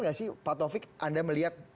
gak sih pak taufik anda melihat